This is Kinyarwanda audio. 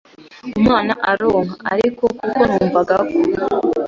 umwana aronka ariko kuko numvaga ko